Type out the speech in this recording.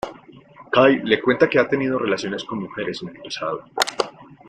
Cay le cuenta que ha tenido relaciones con mujeres en el pasado.